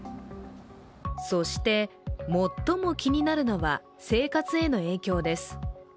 そして最も気になるのは生活への影響です。